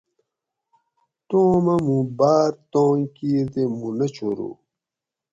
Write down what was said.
توم اۤ مُوں باۤر تانگ کِیر تے مُوں نہ چھورو